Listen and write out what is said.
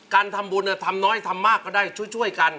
การทำบุญทำน้อยทำมากก็ได้ช่วยกัน